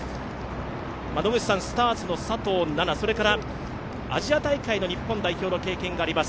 野口さん、スターツの佐藤奈々、それからアジア大会の日本代表の経験があります